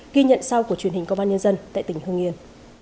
ghi nhận sau của truyền hình công an nhân dân tại tỉnh hương yên